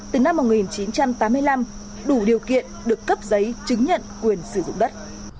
từ năm một nghìn chín trăm tám mươi năm đủ điều kiện được cấp giấy chứng nhận quyền sử dụng đất